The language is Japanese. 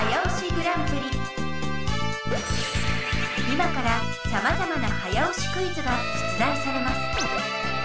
今からさまざまな早押しクイズが出題されます。